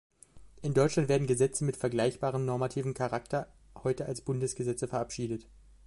In Deutschland werden Gesetze mit vergleichbarem normativen Charakter heute als Bundesgesetze verabschiedet.